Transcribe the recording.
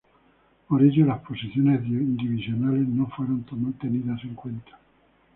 Por ello las posiciones divisionales no fueron tomadas en cuenta.